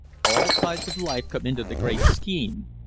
All sides of life come into the great scheme.